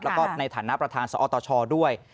แล้วก็ในฐานะประธานสอตชด้วย